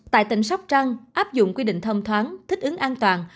tại tỉnh sóc trăng áp dụng quy định thông thoáng thích ứng an toàn